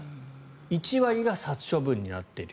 １割が殺処分になっている。